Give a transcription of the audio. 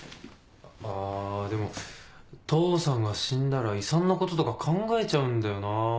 あでも父さんが死んだら遺産のこととか考えちゃうんだよな。